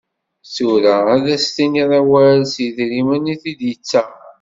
Tura ad as-tiniḍ awal s yedrimen i t-id-yettaɣ.